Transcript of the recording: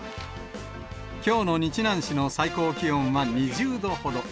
きょうの日南市の最高気温は２０度ほど。